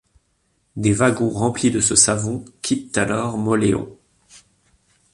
Des wagons remplis de ce savon quittent alors Mauléon.